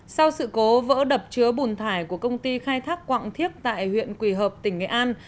sau sự cố vỡ đập chứa bùn thải của công ty khai thác quạng thiếc tại huyện quỳ hợp tỉnh nghệ an